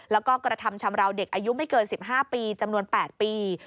แล้วก็กระทำชำราวเด็กอายุไม่เกิน๑๕ปีจำนวน๘ปี